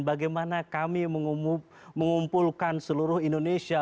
bagaimana kami mengumpulkan seluruh indonesia